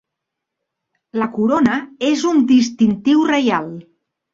La corona és un distintiu reial.